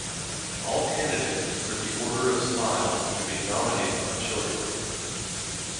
All candidates for the Order of Smile should be nominated by children.